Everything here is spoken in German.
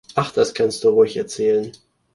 Ach, das kannst du ruhig erzählen.